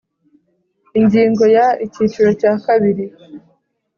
Ingingo ya Icyiciro cya kabiri